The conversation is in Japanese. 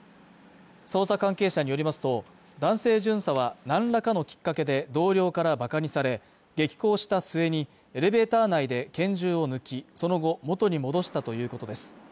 捜査関係者によりますと、男性巡査は、何らかのきっかけで、同僚から馬鹿にされ、激高した末にエレベーター内で拳銃を抜き、その後元に戻したということです。